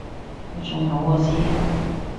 好重口喎師兄